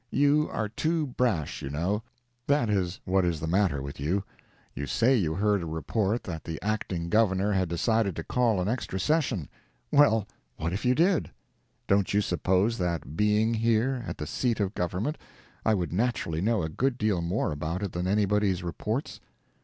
You are too brash, you know—that is what is the matter with you. You say you heard a report that the Acting Governor had decided to call an extra session. Well, what if you did? Don't you suppose that, being here, at the seat of government, I would naturally know a good deal more about it than anybody's reports?